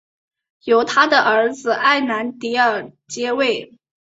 由他的儿子埃兰迪尔接位。